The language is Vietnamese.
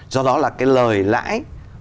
do đó là cái lời lãi